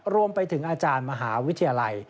รวมไปถึงอาจารย์มหาวิทยาลัย